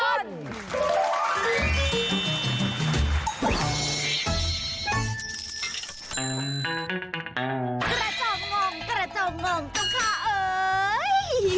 กระเจ้างงกระเจ้างงกระเจ้างงต้องฆ่าเอ๋ย